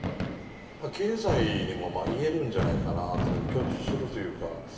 経済にも言えるんじゃないかな共通するというか。